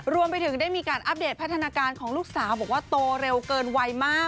รวมไปถึงได้มีการอัปเดตพัฒนาการของลูกสาวบอกว่าโตเร็วเกินไวมาก